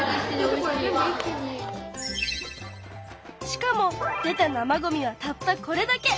しかも出た生ごみはたったこれだけ！